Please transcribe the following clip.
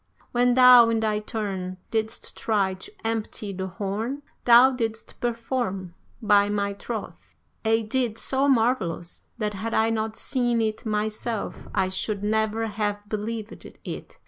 When thou, in thy turn, didst try to empty the horn, thou didst perform, by my troth, a deed so marvellous, that had I not seen it myself I should never have believed it.